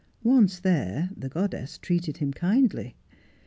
Once there the goddess treated him kindly.